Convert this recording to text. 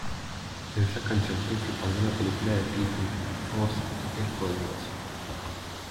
Es la canción principal de la película de Disney "Oz: el Poderoso".